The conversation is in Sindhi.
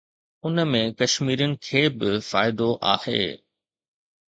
ان ۾ ڪشميرين کي به فائدو آهي.